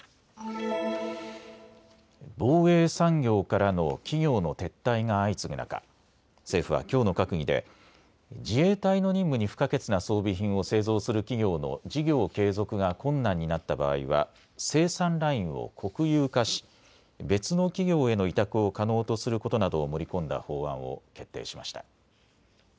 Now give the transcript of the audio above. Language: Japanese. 防衛産業からの企業の撤退が相次ぐ中、政府はきょうの閣議で自衛隊の任務に不可欠な装備品を製造する企業の事業継続が困難になった場合は生産ラインを国有化し別の企業への委託を可能とすることなどを盛り込んだ法案を決定しました。